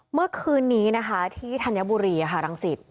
เมื่อคืนนี้นะคะที่ธัญบุรีรังสิต